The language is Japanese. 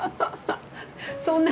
そんな！